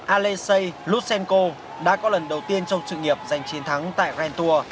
alexey lutsenko đã có lần đầu tiên trong sự nghiệp giành chiến thắng tại grand tour